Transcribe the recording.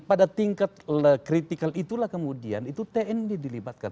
pada tingkat kritikal itulah kemudian itu tni dilibatkan